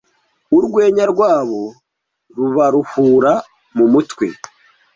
urwenya rwabo rubaruhura mumutwe